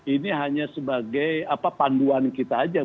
ini hanya sebagai panduan kita saja